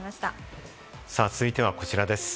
続いてはこちらです。